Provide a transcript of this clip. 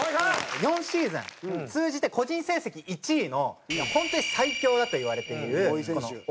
４シーズン通じて個人成績１位の本当に最強だといわれているこの多井選手。